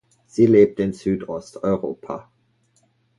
Sie lebt in Südosteuropa.